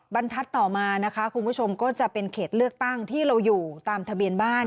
บรรทัศน์ต่อมานะคะคุณผู้ชมก็จะเป็นเขตเลือกตั้งที่เราอยู่ตามทะเบียนบ้าน